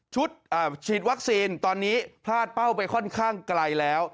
ฉีดวัคซีนตอนนี้พลาดเป้าไปค่อนข้างไกลแล้ว